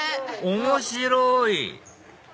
面白い！